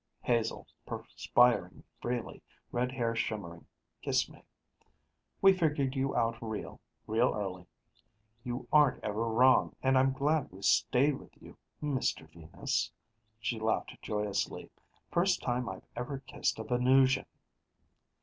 Hazel, perspiring freely, red hair shimmering, kissed me. "We figured you out real, real early. We aren't ever wrong, and I'm glad we stayed with you, Mr. Venus." She laughed joyously, "First time I've ever kissed a Venusian!"